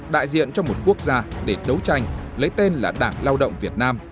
đại diện cho một quốc gia để đấu tranh lấy tên là đảng lao động việt nam